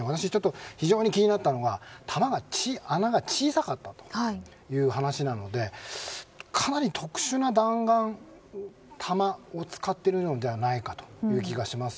非常に気になったのは穴が小さかったという話なのでかなり特殊な弾丸弾を使っていたのではないかという気がします。